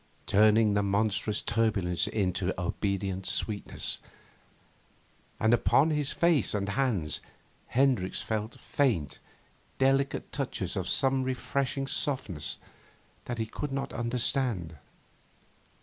turning the monstrous turbulence into obedient sweetness. And upon his face and hands Hendricks felt faint, delicate touches of some refreshing softness that he could not understand.